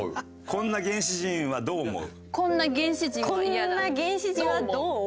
「こんな原始人はどう思う？」。